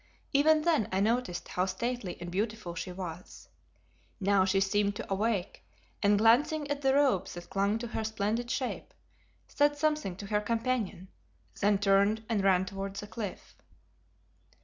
Even then I noticed how stately and beautiful she was. Now she seemed to awake and, glancing at the robes that clung to her splendid shape, said something to her companion, then turned and ran towards the cliff.